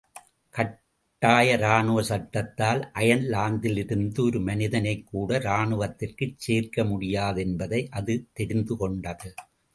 கட்டாய ராணுவச்சட்த்தால் அயர்லாந்திலிருந்து ஒரு மனிதனைக்கூட ராணுவத்திற்குச்சேர்க்க முடியாது என்பதை அது தெரிந்துகொண்டது.